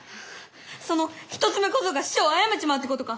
その一つ目小僧が師匠を殺めちまうってことか！